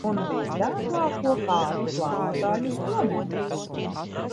Un visdārgāko kāzu plānotāju uz planētas.